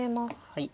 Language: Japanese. はい。